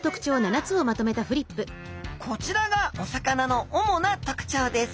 こちらがお魚の主な特徴です。